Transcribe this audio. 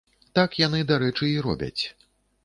Так яны, дарэчы, і робяць.